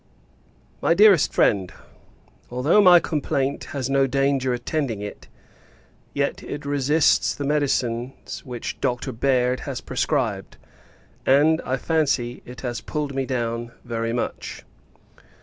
MY DEAREST FRIEND, Although my complaint has no danger attending it, yet it resists the medicines which Dr. Baird has prescribed; and, I fancy, it has pulled me down very much.